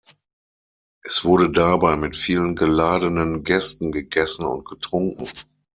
Es wurde dabei mit vielen geladenen Gästen gegessen und getrunken.